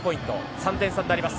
３点差になります。